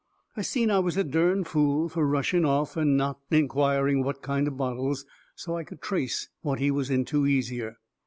I seen I was a dern fool fur rushing off and not inquiring what kind of bottles, so I could trace what he was into easier.